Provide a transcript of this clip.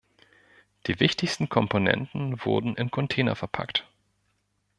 Die wichtigsten Komponenten wurden in Container verpackt.